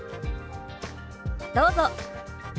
どうぞ。